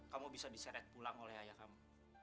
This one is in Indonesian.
kamu bisa diseret pulang oleh ayah kamu